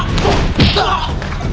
ajar aja bang